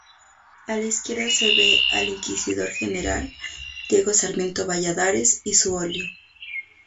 A la izquierda se ve al inquisidor general, Diego Sarmiento Valladares, y su solio.